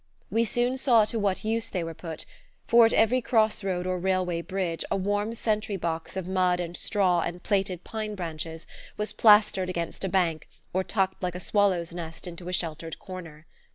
We soon saw to what use they were put, for at every cross road or railway bridge a warm sentry box of mud and straw and plaited pine branches was plastered against a bank or tucked like a swallow's nest into a sheltered corner.